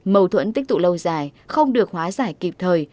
mâu thuẫn tích tụ lâu dài không được hóa giải kịp thời